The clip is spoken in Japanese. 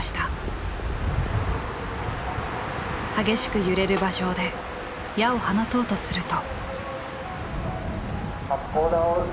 激しく揺れる馬上で矢を放とうとすると。